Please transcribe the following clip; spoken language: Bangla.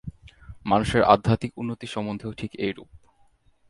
মানুষের আধ্যাত্মিক উন্নতি সম্বন্ধেও ঠিক এইরূপ।